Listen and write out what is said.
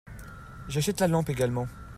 J'achète la lampe également.